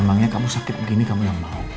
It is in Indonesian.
emangnya kamu sakit begini kamu yang mau